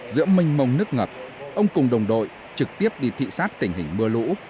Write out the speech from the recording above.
giữa minh mông nước ngập ông cùng đồng đội trực tiếp đi thị xác tình hình mưa lũ